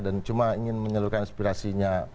dan cuma ingin menyeluruhkan inspirasinya